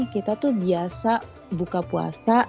kita tuh biasa buka puasa